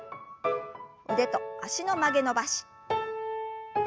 腕と脚の曲げ伸ばし。